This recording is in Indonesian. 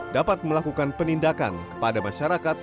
dapat melakukan penindakan kepada masyarakat